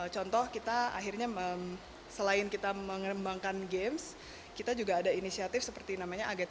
contoh kita akhirnya selain kita mengembangkan games kita juga ada inisiatif seperti namanya aget